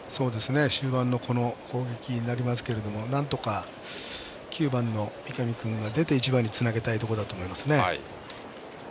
終盤の攻撃になりますがなんとか９番の三上君が出て１番につなげたいところですね。